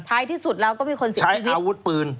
ท้ายที่สุดแล้วก็มีคนศิษย์ชีวิตใช้อาวุธปืน